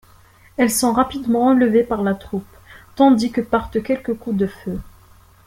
Elles sont rapidement enlevées par la troupe, tandis que partent quelques coups de feu.